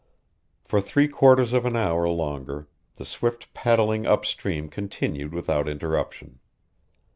For three quarters of an hour longer the swift paddling up stream continued without interruption.